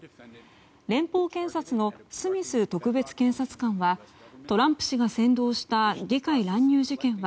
連邦検察のスミス特別検察官はトランプ氏が扇動した議会乱入事件は